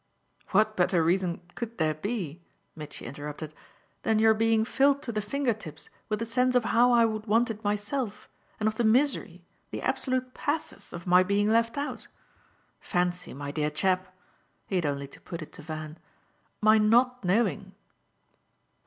"What better reason could there be," Mitchy interrupted, "than your being filled to the finger tips with the sense of how I would want it myself, and of the misery, the absolute pathos, of my being left out? Fancy, my dear chap" he had only to put it to Van "my NOT knowing!".